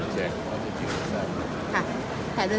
เธอพิววิชาค่ะ